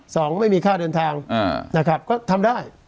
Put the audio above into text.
สองไม่มีค่าเดินทางนะครับก็ทำได้